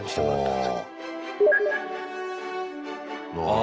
あ。